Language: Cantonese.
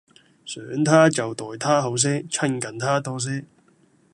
想他就待他好些，親近他多些